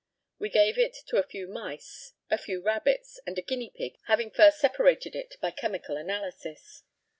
We gave it to a few mice, a few rabbits, and a guinea pig, having first separated it by chemical analysis.